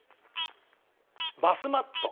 バスマット？